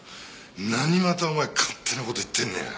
何またお前勝手な事言ってんだよ。